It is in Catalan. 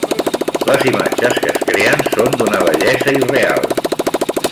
Les imatges que es creen són d'una bellesa irreal.